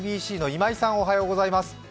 ＩＢＣの今井さん、おはようございます。